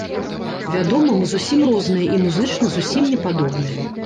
Вядома, мы зусім розныя і музычна зусім не падобныя.